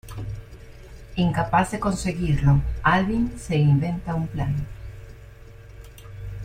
Incapaz de conseguirlo, Alvin se inventa un plan.